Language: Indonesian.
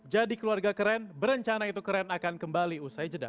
jadi keluarga keren berencana itu keren akan kembali usai jeda